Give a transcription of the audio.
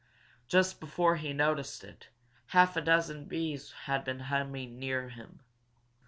Just before he noticed it, half a dozen bees had been humming near him.